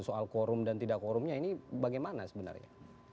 soal quorum dan tidak korumnya ini bagaimana sebenarnya